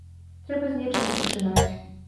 Трэба з нечага пачынаць.